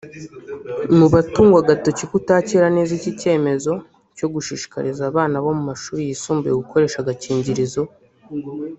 Mu batungwa agatoki kutakira neza iki cyemezo cyo gushishikariza abana bo mu mashuri yisumbuye gukoresha agakingirizo